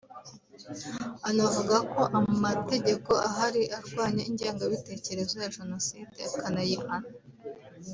Anavuga ko amategeko ahari arwanya ingengabitekerezo ya Jenoside akanayihana